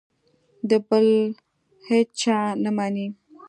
د بل هېچا نه مني.